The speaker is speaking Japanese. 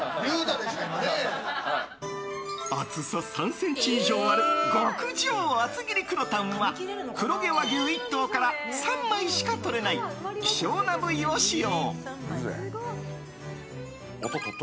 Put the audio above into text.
厚さ３ｃｍ以上ある極上厚切り黒タンは黒毛和牛１頭から３枚しかとれない希少な部位を使用。